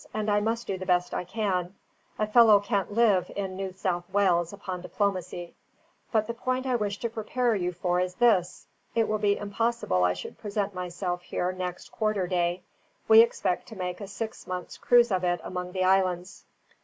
"And I must do the best I can. A fellow can't live in New South Wales upon diplomacy. But the point I wish to prepare you for is this. It will be impossible I should present myself here next quarter day; we expect to make a six months' cruise of it among the islands."